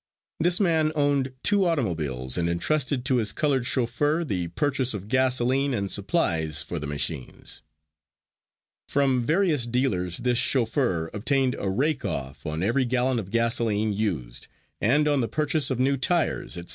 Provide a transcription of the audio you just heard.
This man owned two automobiles and entrusted to his colored chauffeur the purchase of gasoline and supplies for the machines. From various dealers this chauffeur obtained a "rake off" on every gallon of gasoline used, and on the purchase of new tires, etc.